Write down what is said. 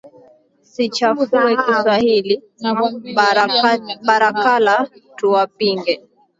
Sichafue kiswahili, barakala tuwapinge,